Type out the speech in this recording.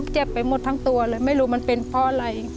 เจ็บไปหมดทั้งตัวเลยไม่รู้มันเป็นเพราะอะไร